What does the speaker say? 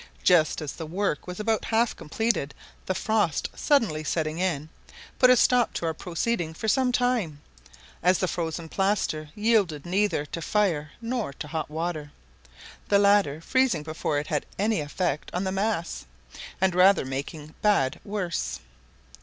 Just as the work was about half completed, the frost suddenly setting in, put a stop to our proceeding for some time, as the frozen plaster yielded neither to fire nor to hot water, the latter freezing before it had any effect on the mass, and rather making bad worse.